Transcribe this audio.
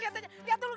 ibu udah udah